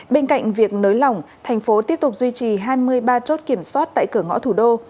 bên cạnh việc nới lỏng thành phố tiếp tục duy trì hai mươi ba chốt kiểm soát tại cửa ngõ thủ đô